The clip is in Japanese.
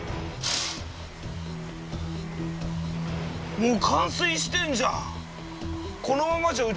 もう冠水してんじゃん！